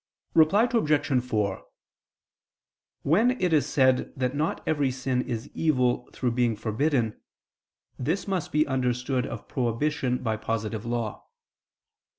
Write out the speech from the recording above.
Reply Obj. 4: When it is said that not every sin is evil through being forbidden, this must be understood of prohibition by positive law.